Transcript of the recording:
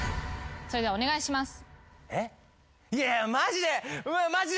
それではお願いします。